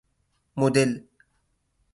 مدل